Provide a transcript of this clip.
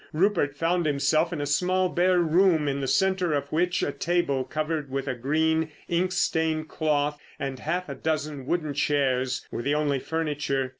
Rupert found himself in a small, bare room, in the centre of which a table covered with a green, ink stained cloth and half a dozen wooden chairs were the only furniture.